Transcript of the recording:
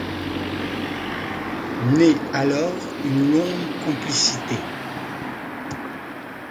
Naît alors une longue complicité.